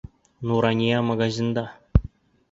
Нурания магазинда.